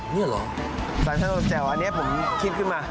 นี่เหรออันนี้ผมคิดขึ้นมา